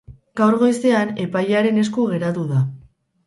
Gaur goizean epailearen esku geratu da.